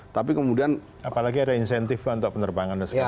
tapi kemudian apalagi ada insentif untuk penerbangan dan sebagainya